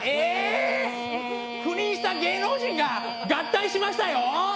不倫した芸能人が合体しましたよ。